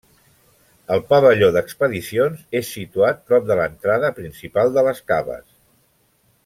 El pavelló d'expedicions és situat prop de l'entrada principal de les caves.